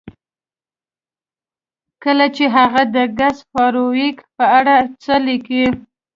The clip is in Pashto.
کله چې هغه د ګس فارویک په اړه څه لیکي